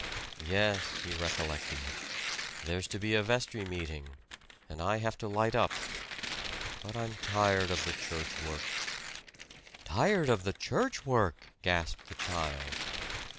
"Yes," he recollected, "there's to be a vestry meeting, and I have to light up. But I'm tired of the church work." "Tired of the church work!" gasped the child.